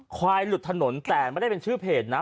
ควายหลุดถนนแต่ไม่ได้เป็นชื่อเพจนะ